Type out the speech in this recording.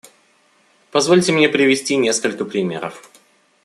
Позвольте мне привести несколько примеров.